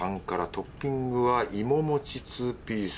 トッピングはいももち２ピース。